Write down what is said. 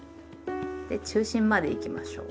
で中心までいきましょう。